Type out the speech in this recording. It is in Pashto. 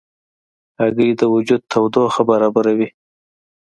هګۍ د وجود تودوخه برابروي.